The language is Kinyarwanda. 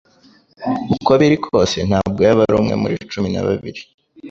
Uko biri kose ntabwo yaba ari umwe muri cumi na babiri,